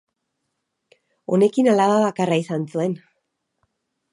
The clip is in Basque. Honekin, alaba bakarra izan zuen.